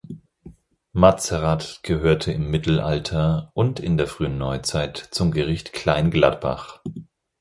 Matzerath gehörte im Mittelalter und in der frühen Neuzeit zum Gericht Kleingladbach.